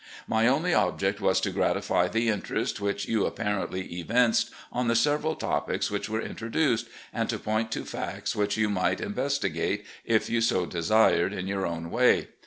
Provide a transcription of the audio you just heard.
My only object was to gratify the interest which you apparently evinced on the several topics which were introduced, and to point to facts which you might investigate, if you so desired, in your own way.